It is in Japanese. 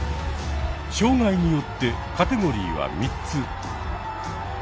障がいによってカテゴリーは３つ。